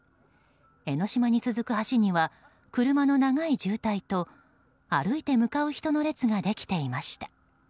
江の島に続く橋には車の長い渋滞と歩いて向かう人の列ができていました。